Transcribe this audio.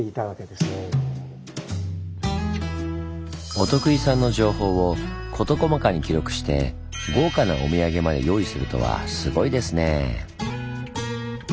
お得意さんの情報を事細かに記録して豪華なお土産まで用意するとはすごいですねぇ。